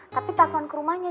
tapi telepon ke rumahnya